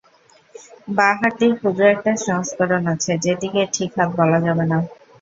বাঁ হাতটির ক্ষুদ্র একটা সংস্করণ আছে, যেটিকে ঠিক হাত বলা যাবে না।